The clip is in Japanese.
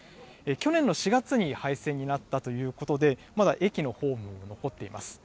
去年の４月に廃線になったということで、まだ駅のホームも残っています。